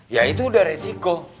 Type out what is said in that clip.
ya itu udah resiko